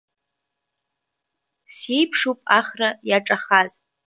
Сиеиԥшуп ахра иаҿахаз…